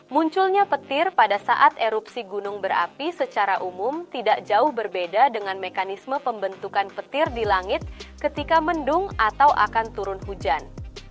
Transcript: munculnya petir pada saat erupsi gunung berapi secara umum tidak jauh berbeda dengan mekanisme pembentukan petir di langit ketika mendung atau akan turun hujan